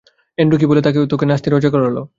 Andrew কী বলে তোকে নাচতে রাজি করালো?